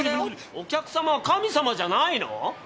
お客様は神様じゃないの？